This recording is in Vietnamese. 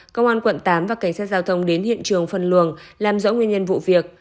công an quận tám và cảnh sát giao thông đến hiện trường phân luồng làm rõ nguyên nhân vụ việc